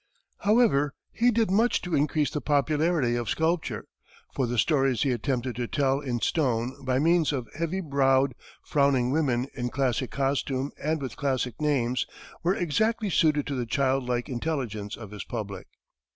However, he did much to increase the popularity of sculpture, for the stories he attempted to tell in stone by means of heavy browed, frowning women in classic costume and with classic names, were exactly suited to the child like intelligence of his public.